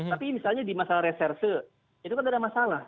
tapi misalnya di masalah reserse itu kan ada masalah